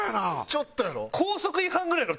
ちょっとやろ？